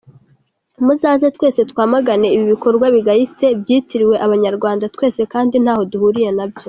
Muzaze twese twamagane ibi bikorwa bigayitse byitirirwa abanyarwanda twese kandi ntaho duhuriye nabyo.